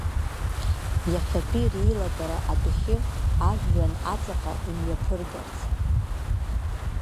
Иахьатәи реилатәара адәахьы, ажәҩан аҵаҟа имҩаԥыргарц.